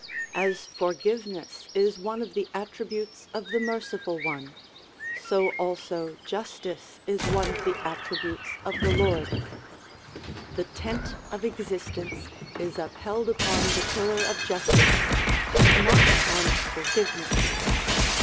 As forgiveness is one of the attributes of the Merciful One, so also justice is one of the attributes of the Lord. The tent of existence is upheld upon the pillar of justice, and not upon forgiveness.